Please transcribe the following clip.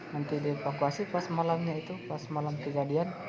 nanti dievakuasi pas malamnya itu pas malam kejadian